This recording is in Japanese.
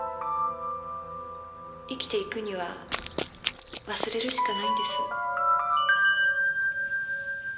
生きていくには忘れるしかないんです。